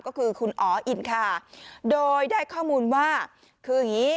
ก็คือคุณอ๋ออินคาโดยได้ข้อมูลว่าคืออย่างนี้